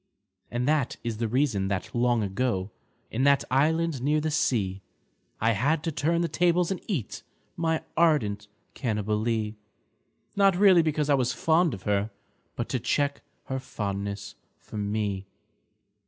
And that is the reason that long ago. In that island near the sea, I had to turn the tables and eat My ardent Cannibalee — Not really because I was fond of her, But to check her fondness for me.